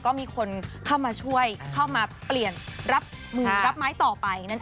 ก็มีคนเข้ามาช่วยเข้ามาเปลี่ยนรับมือรับไม้ต่อไปนั่นเอง